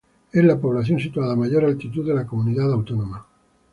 Es la población situada a mayor altitud de la comunidad autónoma.